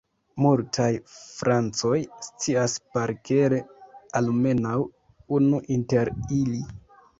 Multaj francoj scias parkere almenaŭ unu inter ili.